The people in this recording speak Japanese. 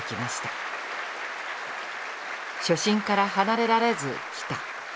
初心から離れられずきた。